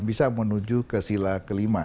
bisa menuju ke sila kelima